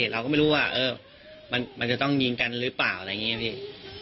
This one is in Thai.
เราก็ไม่รู้ว่ามันจะต้องยิงกันหรือเปล่าอะไรอย่างนี้พี่